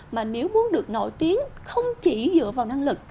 mà nếu muốn được nổi tiếng không chỉ dựa vào năng lực